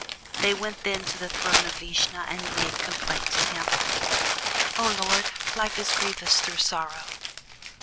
They went then to the throne of Vishnu and made complaint to him: "O Lord! life is grievous through sorrow."